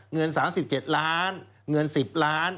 เงิน๓๗ล้านเงิน๑๐ล้าน